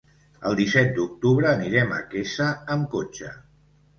El disset d'octubre anirem a Quesa amb cotxe.